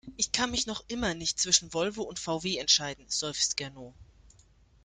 Ich kann mich noch immer nicht zwischen Volvo und VW entscheiden, seufzt Gernot.